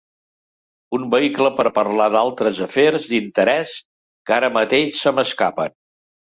Un vehicle per parlar d'altres afers d'interès que ara mateix se m'escapen.